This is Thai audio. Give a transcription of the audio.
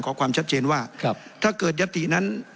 ความชัดเจนว่าถ้าเกิดยตินั้น